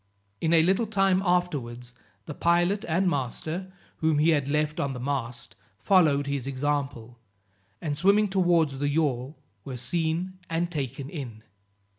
In a little time afterwards, the pilot and master, whom he had left on the mast, followed his example, and swimming towards the yawl were seen and taken in.